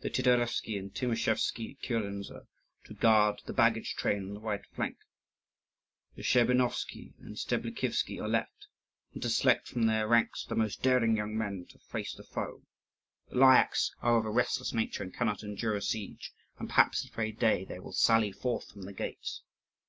The Titarevsky and Timoschevsky kurens are to guard the baggage train on the right flank, the Scherbinovsky and Steblikivsky on the left, and to select from their ranks the most daring young men to face the foe. The Lyakhs are of a restless nature and cannot endure a siege, and perhaps this very day they will sally forth from the gates.